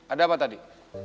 ada apa tadi